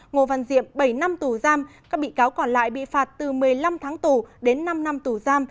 ngô văn diệm bảy năm tù giam các bị cáo còn lại bị phạt từ một mươi năm tháng tù đến năm năm tù giam